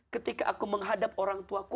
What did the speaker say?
ketika aku menghadap orang tuaku